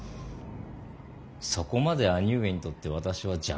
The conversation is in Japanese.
そこまで兄上にとって私は邪魔なのか。